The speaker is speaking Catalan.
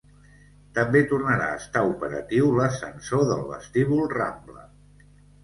També tornarà a estar operatiu l'ascensor del vestíbul Rambla.